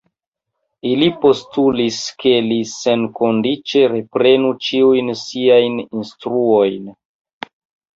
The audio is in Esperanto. Ili postulis, ke li senkondiĉe reprenu ĉiujn siajn instruojn.